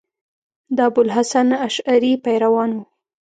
د ابو الحسن اشعري پیروان وو.